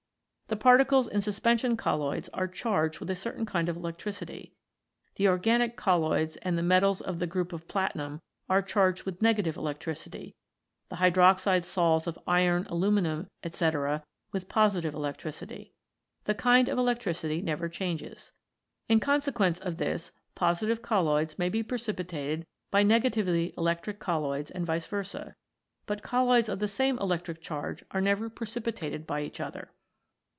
The particles in suspension colloids are charged with a certain kind of electricity. The organic colloids and the metals of the group of platinum are charged with negative electricity, the hydroxide sols of iron, aluminium, etc., with positive electri city. The kind of electricity never changes. In consequence of this positive colloids may be precipitated by negatively electric colloids and vice versa, but colloids of the same electric charge are never precipitated by each other.